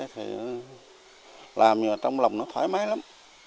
thì làm trong lòng nó thoải mái lắm